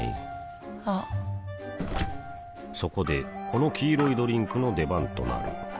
あっそこでこの黄色いドリンクの出番となる